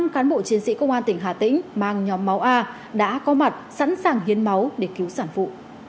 năm cán bộ chiến sĩ công an tỉnh hà tĩnh mang nhóm máu a đã có mặt sẵn sàng hiến máu để cứu sản phụ